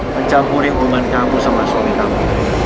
mencampuri hubungan kamu sama suami kamu